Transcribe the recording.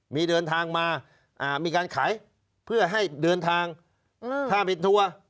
มีเดินทางมามีการขายเพื่อให้เดินทางถ้าเป็นทัวร์